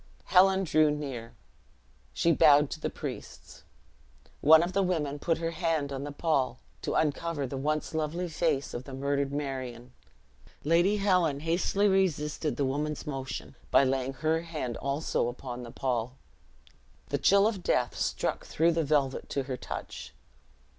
Helen drew near she bowed to the priests. One of the women put her hand on the pall, to uncover the once lovely face of the murdered Marion. Lady Helen hastily resisted the woman's motion, by laying her hand also upon the pall. The chill of death struck through the velvet to her touch.